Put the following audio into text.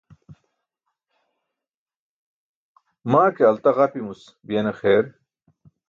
Maa ke alta ġapimuc biyena xeer.